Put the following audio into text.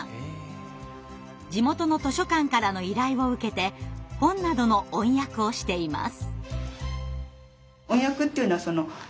地元の図書館からの依頼を受けて本などの音訳をしています。